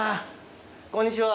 こんにちは。